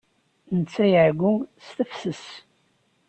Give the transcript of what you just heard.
Netta iɛeyyu s tefses.